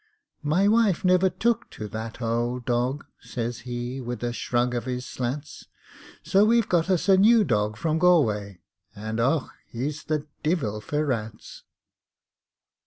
"My wife never took to that ould dog," Says he, wid a shrug av his slats, "So we've got us a new dog from Galway, _And och, he's the divil for rats!"